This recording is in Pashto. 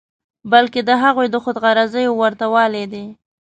بلکې د هغوی د خود غرضیو ورته والی دی.